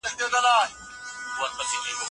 د واک کارول په سياست کې ځانګړي اصول لري.